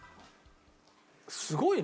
すごいね。